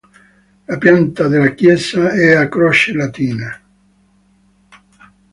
La pianta della chiesa è a croce latina.